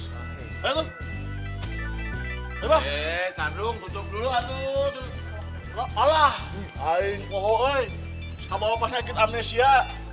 sandung tutup dulu aduh allah hai koko hai apa apa sakit amnesia